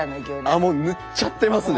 あっもう塗っちゃってますね。